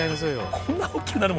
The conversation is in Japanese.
こんな大きくなるもの。